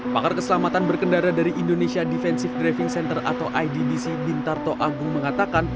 pakar keselamatan berkendara dari indonesia defensive driving center atau iddc bintarto agung mengatakan